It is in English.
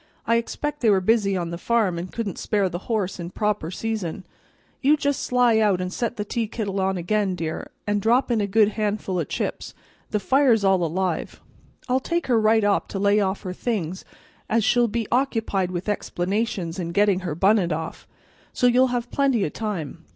I expect they were busy on the farm, and couldn't spare the horse in proper season. You just sly out an' set the teakittle on again, dear, an' drop in a good han'ful o' chips; the fire's all alive. I'll take her right up to lay off her things, as she'll be occupied with explanations an' gettin' her bunnit off, so you'll have plenty o' time.